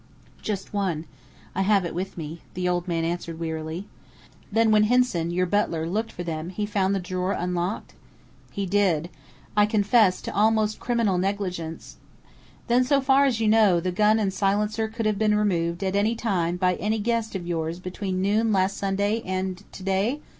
"Just one. I have it with me," the old man answered wearily. "Then when Hinson, your butler, looked for them, he found the drawer unlocked?" "He did. I confess to almost criminal negligence " "Then so far as you know, the gun and silencer could have been removed at any time by any guest of yours between noon last Sunday and today?"